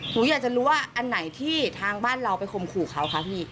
หนูอยากจะรู้ว่าอันไหนที่ทางบ้านเราไปข่มขู่เขาคะพี่